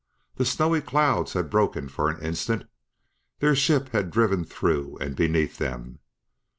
The snowy clouds had broken for an instant; their ship had driven through and beneath them.